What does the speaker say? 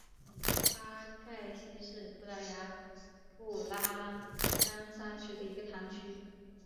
巴盖希是葡萄牙布拉干萨区的一个堂区。